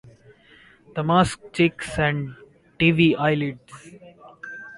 Damask cheeks and dewy eyelids.